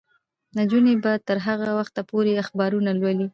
نجونې به تر هغه وخته پورې اخبارونه لولي.